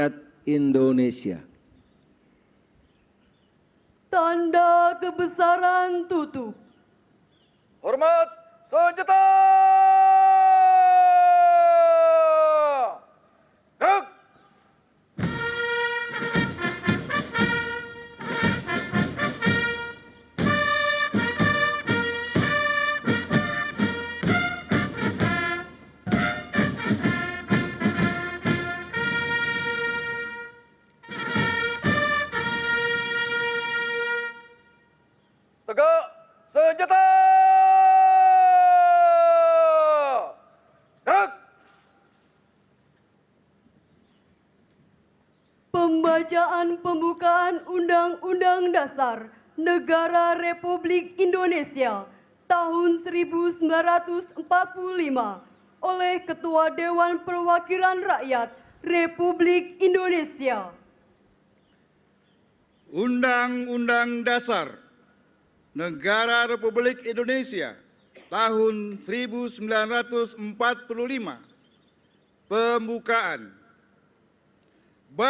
tanda kebesaran buka